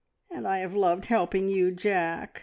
"And I have loved helping you, Jack!